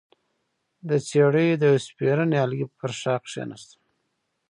د څېړۍ د يوه سپېره نيالګي پر ښاخ کېناستم،